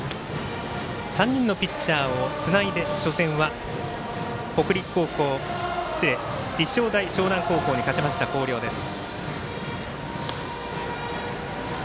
３人のピッチャーをつないで初戦は立正大淞南高校に勝ちました広陵です。